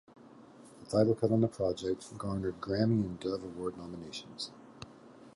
The title cut on the project garnered Grammy and Dove Award nominations.